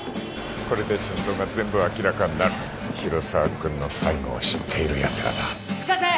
これで真相が全部明らかになる広沢君の最期を知っているやつらだ深瀬！